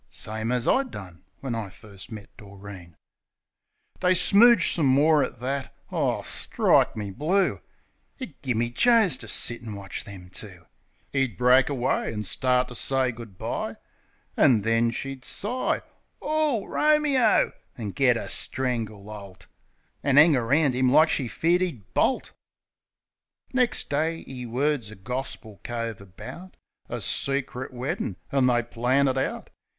(Same as I done when I first met Doreen.) They smooge some more at that. Ar, strike me blue I It gimme Joes to sit an' watch them two! 'E'd break away an' start to say good bye, An' then she'd sigh "Ow, Ro me o!" an' git a strangle holt. An' 'ang around 'im like she feared 'e'd bolt. Nex' day 'e words a gorspil cove about A secrit weddin'; an' they plan it out.